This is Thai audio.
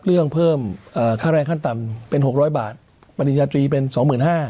เรื่องเพิ่มอ่าค่าแรงขั้นต่ำเป็นหกร้อยบาทปริญญาตรีเป็นสองหมื่นห้า